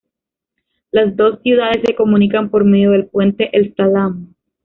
Las dos ciudades se comunican por medio del puente El Salaam.